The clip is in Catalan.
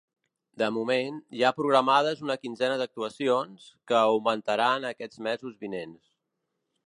De moment, hi ha programades una quinzena d’actuacions, que augmentaran aquests mesos vinents.